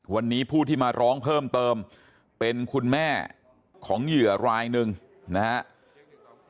วันนี้ผู้ที่มาร้องเพิ่มเติมเป็นคุณแม่ของเหยื่อรายหนึ่งนะครับ